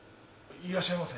いらっしゃいませ。